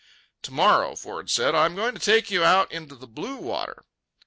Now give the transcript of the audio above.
"To morrow," Ford said, "I am going to take you out into the blue water."